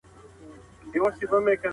تل د دښمن په اړه د عدل خبره کوئ.